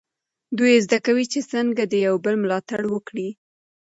دوی زده کوي چې څنګه د یو بل ملاتړ وکړي.